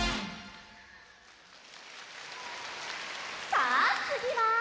さあつぎは？